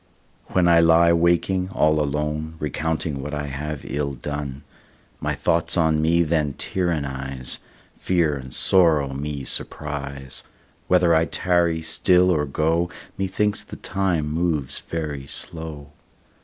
When I lie waking all alone, Recounting what I have ill done, My thoughts on me then tyrannise, Fear and sorrow me surprise, Whether I tarry still or go, Methinks the time moves very slow.